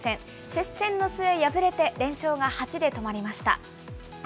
接戦の末敗れて、連勝が８で止まりました。